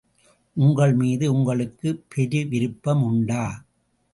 உங்கள்மீது உங்களுக்குப் பெருவிருப்பம் உண்டா?